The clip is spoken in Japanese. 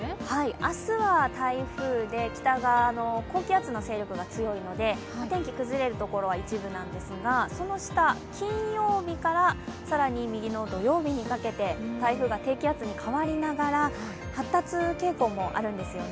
明日は台風で北側の高気圧の勢力が強いのでお天気、崩れる所は一部なんですがその下、金曜日から、右の土曜日にかけて台風が低気圧に変わりながら発達傾向もあるんです。